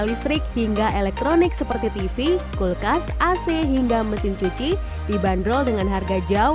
listrik hingga elektronik seperti tv kulkas ac hingga mesin cuci dibanderol dengan harga jauh